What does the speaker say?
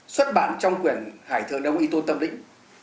xuất bản trong quyển hải thường đông y tôn tâm lĩnh